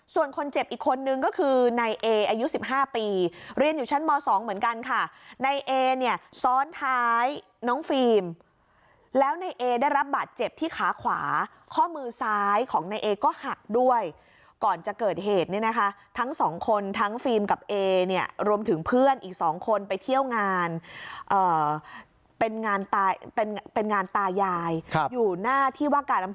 ส่วนคนเจ็บอีกคนนึงก็คือนายเออายุ๑๕ปีเรียนอยู่ชั้นม๒เหมือนกันค่ะนายเอเนี่ยซ้อนท้ายน้องฟิล์มแล้วนายเอได้รับบาดเจ็บที่ขาขวาข้อมือซ้ายของนายเอก็หักด้วยก่อนจะเกิดเหตุนี่นะคะทั้ง๒คนทั้งฟิล์มกับเอเนี่ยรวมถึงเพื่อนอี